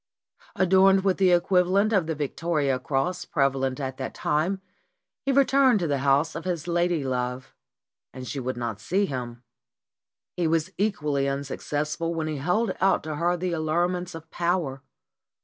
Adorned with the equivalent of the Victoria Cross prevalent at 297 298 STORIES WITHOUT TEARS that time, he returned to the house of his lady love, and she would not see him. He was equally unsuccessful when he held out to her the allurements of power.